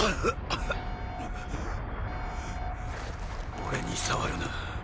俺に触るな。